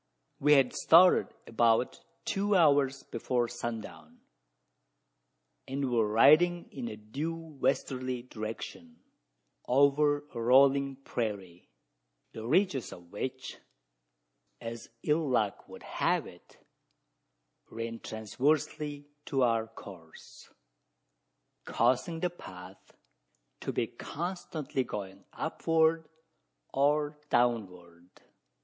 We had started about two hours before sundown, and were riding in a due westerly direction, over a "rolling" prairie the ridges of which, as ill luck would have it, ran transversely to our course: causing the path to be constantly going upward or downward.